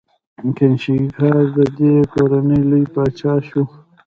کنیشکا د دې کورنۍ لوی پاچا شو